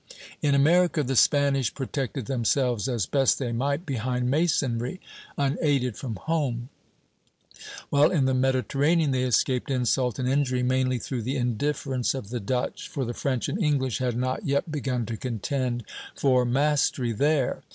In America, the Spanish protected themselves as best they might behind masonry, unaided from home; while in the Mediterranean they escaped insult and injury mainly through the indifference of the Dutch, for the French and English had not yet begun to contend for mastery there.